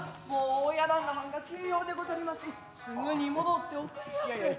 もう親旦那はんが急用でござりましてすぐに戻っておくれやす。